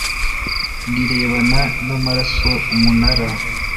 rirebana n amaraso umunara